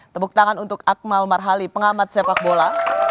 tepuk tangan untuk akmal marhali pengamat sepak bola